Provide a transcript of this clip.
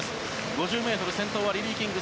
５０ｍ、先頭はリリー・キング。